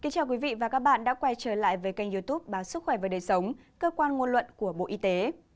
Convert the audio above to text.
chào các bạn đã quay trở lại với kênh youtube báo sức khỏe và đời sống cơ quan nguồn luận của bộ y tế